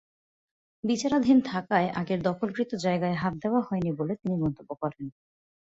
বিচারাধীন থাকায় আগের দখলকৃত জায়গায় হাত দেওয়া হয়নি বলে তিনি মন্তব্য করেন।